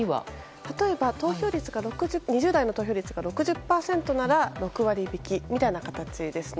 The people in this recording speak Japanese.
例えば、２０代の投票率が６０％なら６割引きみたいなものですね。